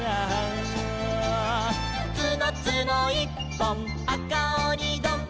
「つのつのいっぽんあかおにどん」